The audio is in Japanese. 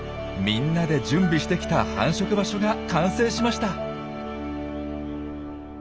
みんなで準備してきた繁殖場所が完成しました！